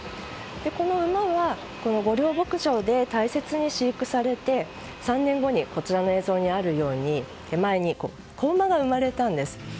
この馬は牧場で大切に飼育されて３年後こちらの映像にあるように子馬が生まれたんです。